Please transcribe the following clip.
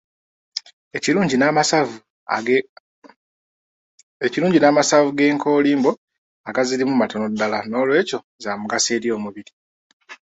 Ekilungi n'amasavu g'enkoolimbo agazirimu matono ddala nolwekyo za mugaso eri omubiri.